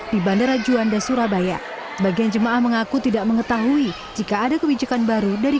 di bandara juanda surabaya bagian jemaah mengaku tidak mengetahui jika ada kebijakan baru dari